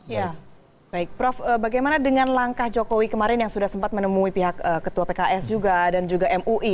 ya baik prof bagaimana dengan langkah jokowi kemarin yang sudah sempat menemui pihak ketua pks juga dan juga mui